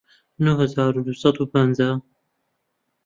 نۆ هەزار و دوو سەد و پەنجا